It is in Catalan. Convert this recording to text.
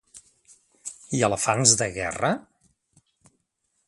I elefants de guerra?